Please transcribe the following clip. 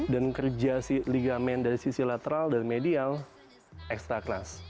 dan kerja si ligamen dari sisi lateral dan medial ekstra klas